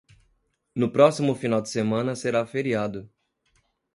No próximo final de semana será feriado.